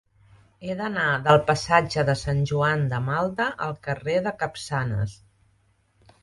He d'anar del passatge de Sant Joan de Malta al carrer de Capçanes.